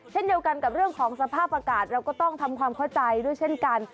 เช่นเดียวกันกับเรื่องของสภาพอากาศเราก็ต้องทำความเข้าใจด้วยเช่นกัน